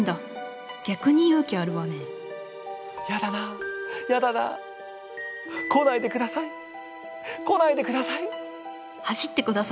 「やだなやだな来ないでください！来ないでください！」。